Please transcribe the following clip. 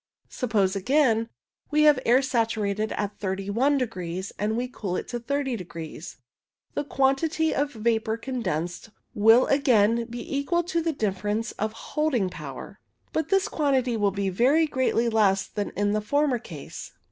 Suppose, again, we have air saturated at 31 degrees and we cool it to 30 degrees, the quantity of vapour condensed will again be equal to the difference of holding power ; but this quantity will be very greatly less than in the former case.